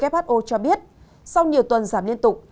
who cho biết sau nhiều tuần giảm liên tục